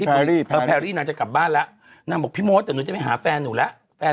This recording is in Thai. แพรรี่แพรรี่แพรรี่นางจะกลับบ้านแล้วนางบอกพี่โมสแต่หนูจะไปหาแฟนหนูแล้ว